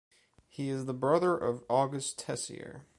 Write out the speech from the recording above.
He is the brother of August Tessier.